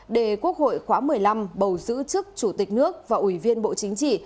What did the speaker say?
để quốc hội khóa một mươi năm bầu giữ chức chủ tịch nước và ủy viên bộ chính trị